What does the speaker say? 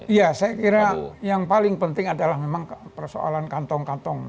iya saya kira yang paling penting adalah memang persoalan kantong kantong